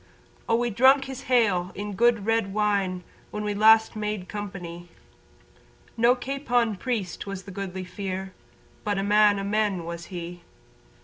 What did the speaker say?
Oh we drunk his "Hale" in the good red wine When we last made company, No capon priest was the Goodly Fere But a man o' men was he.